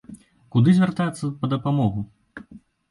Куды звяртацца па дапамогу?